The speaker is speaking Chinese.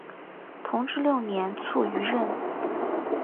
同治六年卒于任。